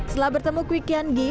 setelah bertemu kwi kian gi